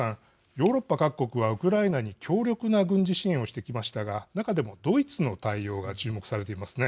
ヨーロッパ各国はウクライナに強力な軍事支援をしてきましたが中でもドイツの対応が注目されていますね。